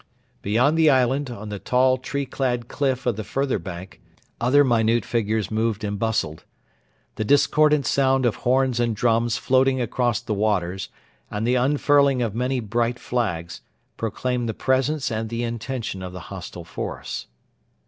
Beyond the island, on the tall tree clad cliff of the further bank, other minute figures moved and bustled. The discordant sound of horns and drums floating across the waters, and the unfurling of many bright flags, proclaimed the presence and the intention of the hostile force.